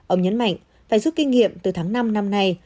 ông nhấn mạnh phải giúp kinh nghiệm từ tháng năm năm nay